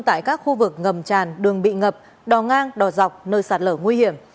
tại các khu vực ngầm tràn đường bị ngập đò ngang đò dọc nơi sạt lở nguy hiểm